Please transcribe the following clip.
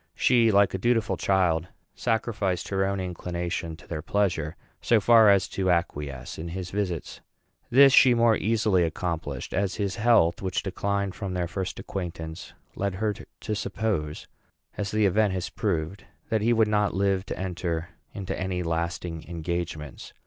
She, like a dutiful child, sacrificed her own inclination to their pleasure so far as to acquiesce in his visits. This she more easily accomplished, as his health, which declined from their first acquaintance, led her to suppose, as the event has proved, that he would not live to enter into any lasting engagements.